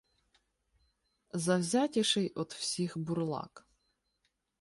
Завзятіший од всіх бурлак.